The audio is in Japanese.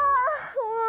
もう！